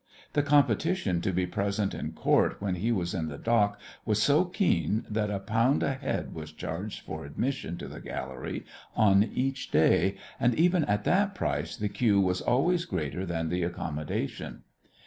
The competition to be present in Court when he was in the dock was so keen that a pound a head was charged for admission to the gallery on each day and even at that price the queue was always greater than the accommodation.